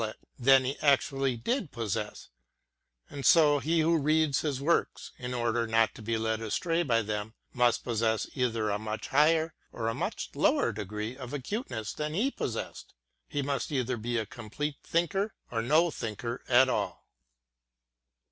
Lect than he actually did possess; and so lie who roads his works, in order not to be led astray by them, must possess either a much higher or a much lower degree of acuteness than he possessed ;— he must either be a complete thinker, or no thinker at all.